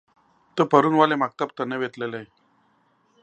ته پرون ولی مکتب ته نه وی تللی؟